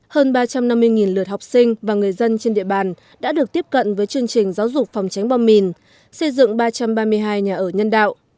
hơn ba trăm năm mươi lượt học sinh và người dân trên địa bàn đã được tiếp cận với chương trình giáo dục phòng tránh bom mìn xây dựng ba trăm ba mươi hai nhà ở nhân đạo